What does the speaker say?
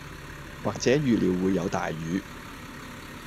或者預料會有大雨